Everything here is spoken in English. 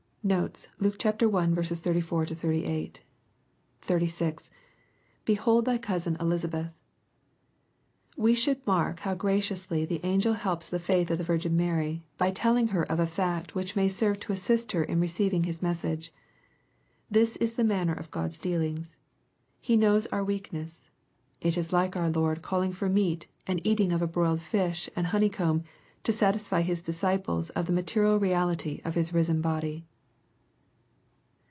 Notes. Luke I. 34 — 38. 36. — [Behold thy cousin EUsdbelh,] We should mark how gra ciously the angel helps the faith of the Virgin Mary, by tell ing her of a fact which may serve to assist her in receiving his message. This is the manner of Gk>d*s dealings. He knows our weakness. It is like our Lord calling for meat, and eating of a broiled fish and honey comb, to satisfy his disciples of the mate rial reality of his risen body.